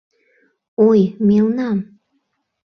— Ой, мелнам...